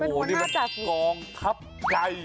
โอ้โหนี่มันกองทัพไก่